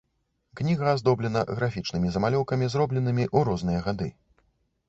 Кніга аздоблена графічнымі замалёўкамі, зробленымі ў розныя гады.